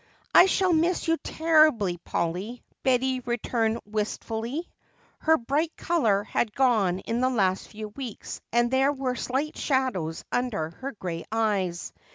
"I shall miss you terribly, Polly," Betty returned wistfully; her bright color had gone in the last few weeks and there were slight shadows under her gray eyes.